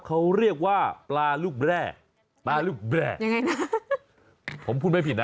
เขาเรียกว่าปลาลูกแร่ปลาลูกแร่ยังไงนะผมพูดไม่ผิดนะ